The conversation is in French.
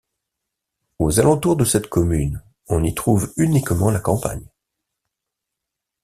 Aux alentours de cette commune, on y trouve uniquement la campagne.